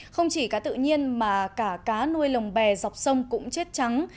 không chỉ cá tự nhiên mà cả cá nuôi lồng bè dọc sông cũng chết trắng